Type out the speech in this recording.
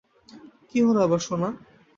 কি হল আবার সোনা?